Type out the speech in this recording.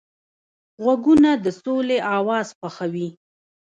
غوږونه د سولې اواز خوښوي